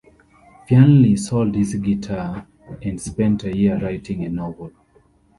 Fearnley sold his guitar and spent a year writing a novel.